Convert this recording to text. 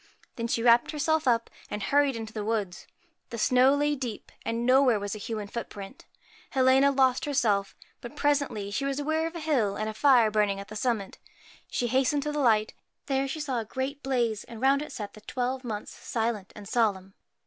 Then she wrapped herself up, and hurried into the wood. The snow lay deep, and nowhere was a human footprint Helena lost herself; but presently she was aware of a hill, and a fire burning at the summit. She hastened to the light. There she saw a great blaze, and round it sat the twelve Months, silent and solemn.